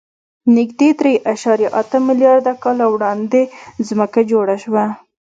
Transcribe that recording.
نږدې درې اعشاریه اته میلیارده کاله وړاندې ځمکه جوړه شوه.